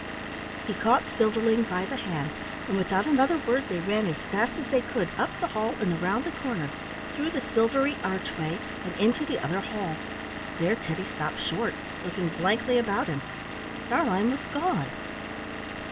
He caught Silverling by the hand and without another word they ran as fast as they could up the hall and around the corner, through the silvery archway, and into the other hall. There Teddy stopped short, looking blankly about him. Starlein was gone.